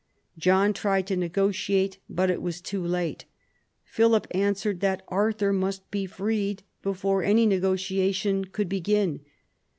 John tried to negotiate, but it was too late. Philip answered that Arthur must be freed before any negotia tion could begin.